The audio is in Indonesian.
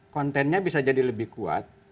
kontennya bisa jadi lebih kuat